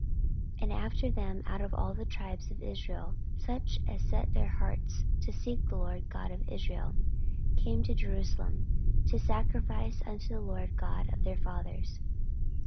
14:011:016 And after them out of all the tribes of Israel such as set their hearts to seek the LORD God of Israel came to Jerusalem, to sacrifice unto the LORD God of their fathers.